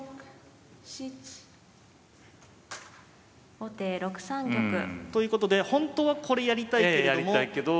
後手６三玉。ということでほんとはこれやりたいけれども。